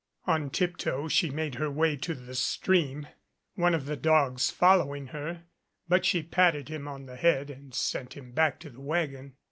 On tiptoe she made her way to the stream, one of the dogs following her, but she patted him on the head and sent him back to the wagon.